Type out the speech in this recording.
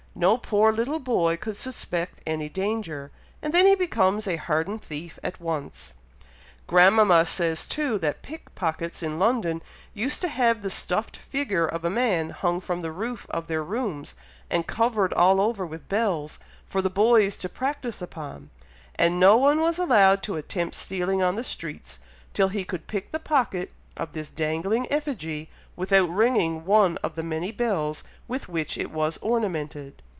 No poor little boy could suspect any danger, and then he becomes a hardened thief at once." "Grandmama says, too, that pick pockets, in London used to have the stuffed figure of a man hung from the roof of their rooms, and covered all over with bells, for the boys to practise upon, and no one was allowed to attempt stealing on the streets, till he could pick the pocket of this dangling effigy, without ringing one of the many bells with which it was ornamented."